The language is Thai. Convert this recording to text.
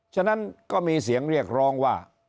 ฉะนั้นก็มีเสียงเรียกร้องว่า